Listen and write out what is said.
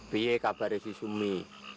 biar kabar si sumi